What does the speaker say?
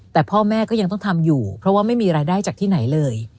แต่พ่อแม่ก็ยังต้องทำอยู่เพราะว่าไม่มีรายได้จากที่ไหนเลย